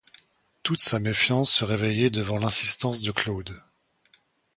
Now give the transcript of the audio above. Toute sa méfiance se réveillait devant l’insistance de Claude.